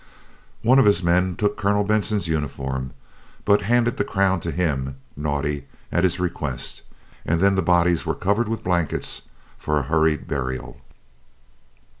One of his men took Colonel Benson's uniform, but handed the crown to him (Naudé) at his request, and then the bodies were covered with blankets for a hurried burial.